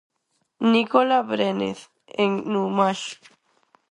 Nicola Brenez en Numax.